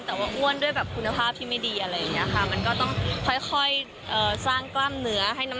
แต่ว่าอ้วนด้วยแบบคุณภาพที่ไม่ดีอะไรอย่างนี้ค่ะมันก็ต้องค่อยสร้างกล้ามเนื้อให้น้ำ